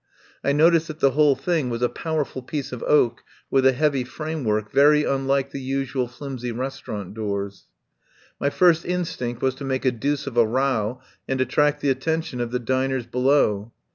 I noticed that the whole thing was a powerful piece of oak, with a heavy framework, very unlike the usual flimsy res taurant doors. My first instinct was to make a deuce of a row and attract the attention of the diners be low.